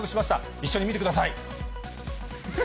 一緒に見てください。